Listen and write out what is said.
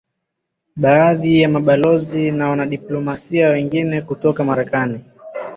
Baadhi ya mabalozi na wanadiplomasia wengine kutoka Marekani